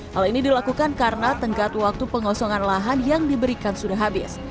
hal ini dilakukan karena tenggat waktu pengosongan lahan yang diberikan sudah habis